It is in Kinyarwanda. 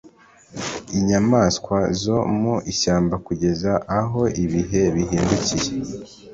inyamaswa zo mu ishyamba kugeza aho ibihe bihindukiye